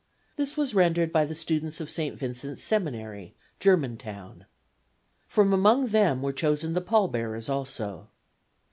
This was rendered by the students of St. Vincent's Seminary, Germantown. From among them were chosen the pall bearers also.